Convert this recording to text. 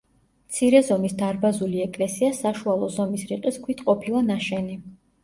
მცირე ზომის დარბაზული ეკლესია საშუალო ზომის რიყის ქვით ყოფილა ნაშენი.